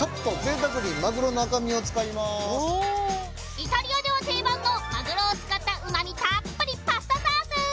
イタリアでは定番のマグロを使ったうま味たっぷりパスタソース！